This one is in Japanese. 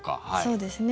そうですね。